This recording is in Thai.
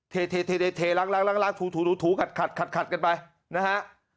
เทเทล๊ะล้างถูถูถูขัดกันไปฮะ